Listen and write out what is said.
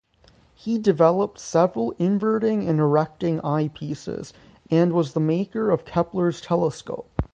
He developed several inverting and erecting eyepieces, and was the maker of Kepler's telescope.